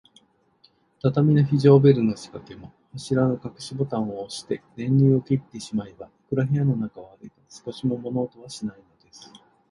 畳の非常ベルのしかけも、柱のかくしボタンをおして、電流を切ってしまえば、いくら部屋の中を歩いても、少しも物音はしないのです。